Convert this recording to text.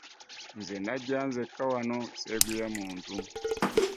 Nze najja nzekka wano sseeguya muntu.